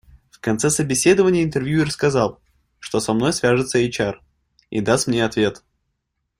В конце собеседования интервьюер сказал, что со мной свяжется HR и даст мне ответ.